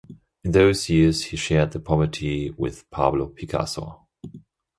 In those years he shared the poverty with Pablo Picasso.